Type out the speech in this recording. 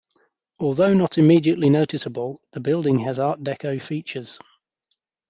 Although not immediately noticeable, the building has Art Deco features.